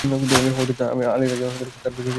হযরত Ali রাযিয়াল্লাহু আনহু-তার বুকে চেপে বসেন।